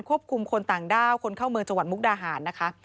คุมคนต่างด้าวคนเข้าเมืองจังหวัดมุกดาหารนะคะ